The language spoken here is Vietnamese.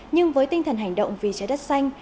nhưng với tinh thần hành động vì trái đất xanh